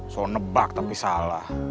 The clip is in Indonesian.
soal nebak tapi salah